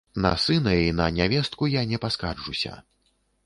На сына і на нявестку я не паскарджуся.